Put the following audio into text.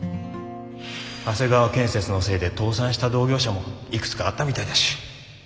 長谷川建設のせいで倒産した同業者もいくつかあったみたいだし。